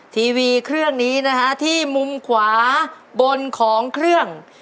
ทีวีเครื่องนี้นะฮะที่มุมขวาบนของเครื่อง